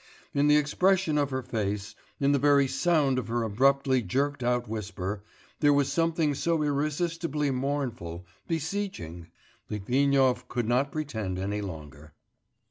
In the expression of her face, in the very sound of her abruptly jerked out whisper, there was something so irresistibly mournful, beseeching ... Litvinov could not pretend any longer.